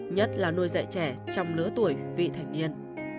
nhất là nuôi dạy trẻ trong lứa tuổi vị thành niên